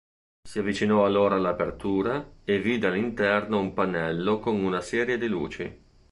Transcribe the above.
Si avvicinò allora all’apertura e vide all’interno un pannello con una serie di luci.